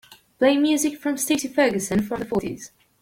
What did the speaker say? Play music from Stacy Ferguson from the fourties